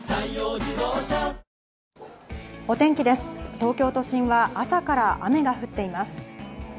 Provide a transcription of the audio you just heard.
東京都心は朝から雨が降っています。